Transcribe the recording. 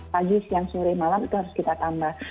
pagi siang sore malam itu harus kita tambah